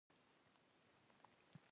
ډرامه د غږ ښايست دی